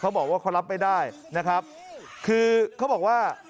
บอกว่าเขารับไม่ได้นะครับคือเขาบอกว่า